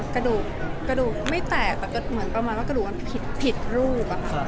กระดูกไม่แตกแต่กระดูกปิดรูป